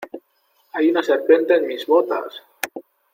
¡ Hay una serpiente en mis botas!